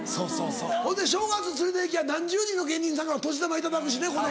ほいで正月連れて行きゃ何十人の芸人さんからお年玉頂くしね子供。